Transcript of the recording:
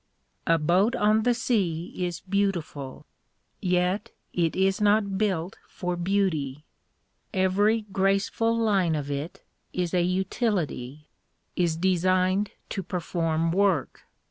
A boat on the sea is beautiful. Yet it is not built for beauty. Every graceful line of it is a utility, is designed to perform work.